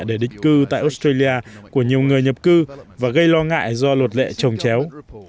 để định cư tại australia của nhiều người nhập cư và gây lo ngại do luật lệ trồng chéo